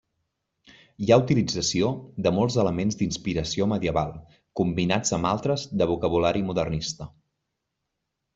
Hi ha utilització de molts elements d'inspiració medieval combinats amb altres del vocabulari modernista.